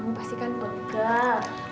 kamu pastikan pegal